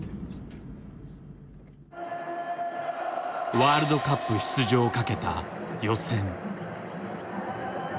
ワールドカップ出場をかけた予選。